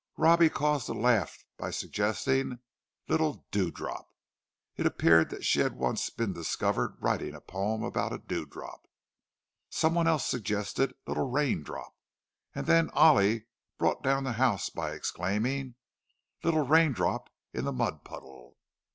Robbie caused a laugh by suggesting "Little Dewdrop"—it appeared that she had once been discovered writing a poem about a dewdrop; some one else suggested "Little Raindrop," and then Ollie brought down the house by exclaiming, "Little Raindrop in the Mud puddle!"